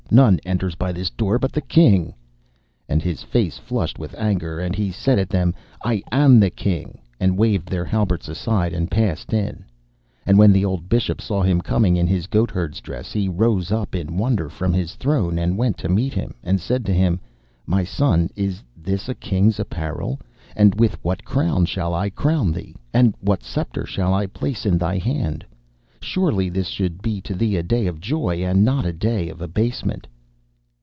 None enters by this door but the King.' And his face flushed with anger, and he said to them, 'I am the King,' and waved their halberts aside and passed in. And when the old Bishop saw him coming in his goatherd's dress, he rose up in wonder from his throne, and went to meet him, and said to him, 'My son, is this a king's apparel? And with what crown shall I crown thee, and what sceptre shall I place in thy hand? Surely this should be to thee a day of joy, and not a day of abasement.